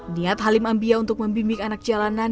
niat halim ambia untuk membimbing anak jalanan